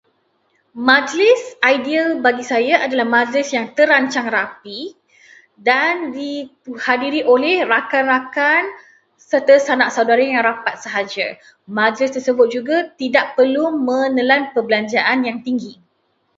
Majlis ideal bagi saya adalah majlis yang terancang rapi dan dihadiri oleh rakan-rakan serta sanak saudara yang rapat sahaja. Majlis tersebut juga tidak perlu menelan perbelanjaan yang tinggi.